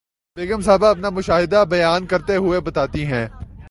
بیگم صاحبہ اپنا مشاہدہ بیان کرتے ہوئے بتاتی ہیں